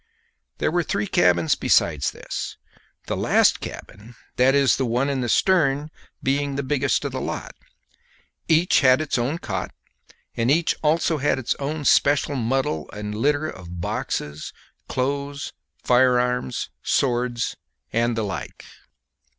There were three cabins besides this; the last cabin, that is the one in the stern, being the biggest of the lot. Each had its cot, and each also had its own special muddle and litter of boxes, clothes, firearms, swords, and the like.